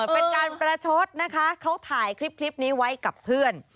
เป็นการประชดนะคะเขาถ่ายคลิปนี้ไว้กับเพื่อน